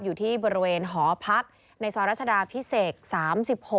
อยู่ที่บริเวณหอพักในซอยรัชดาพิเศษ๓๖